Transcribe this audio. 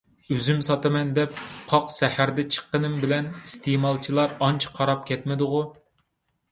ئۈزۈم ساتىمەن دەپ قاق سەھەردە چىققىنىم بىلەن ئىستېمالچىلار ئانچە قاراپ كەتمىدىغۇ؟